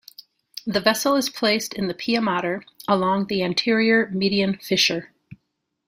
The vessel is placed in the pia mater along the anterior median fissure.